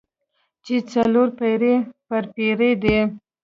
چې څلور پېړۍ پرې تېرې دي.